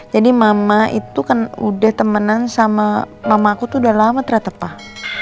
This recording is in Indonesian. jadi mama itu kan udah temenan sama mamaku tuh udah lama ternyata pak